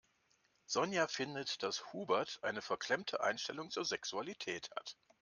Sonja findet, dass Hubert eine verklemmte Einstellung zur Sexualität hat.